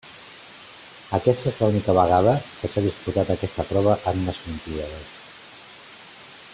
Aquesta és l'única vegada que s'ha disputat aquesta prova en unes Olimpíades.